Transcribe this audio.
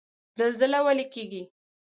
زلزله ولې کیږي؟